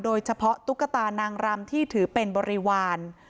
โดยเฉพาะตุ๊กตานางรำที่ถือเป็นบริวาร